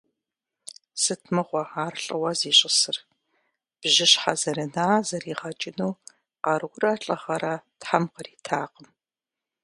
Сыт мыгъуэ ар лӀыуэ зищӀысыр, – бжыщхьэ зэрына зэригъэкӀыну къарурэ лӀыгъэрэ Тхьэм къритакъым.